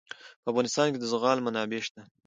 په افغانستان کې د زغال منابع شته.